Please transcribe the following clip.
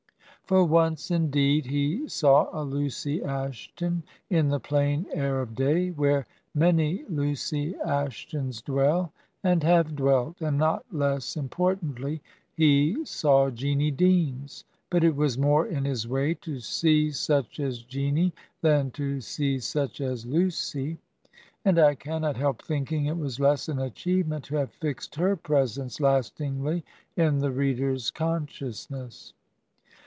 For once, indeed, he saw a Lucy Ashton in the plain air of day, where many Lucy Ash tons dwell and have dwelt, and not less importantly he saw Jeanie Deans ; but it was more in his way to see such as Jeanie than to see such as Lucy, and I cannot help thinking it was less an achievement to have fixed her presence lastingly in the reader's consciousness.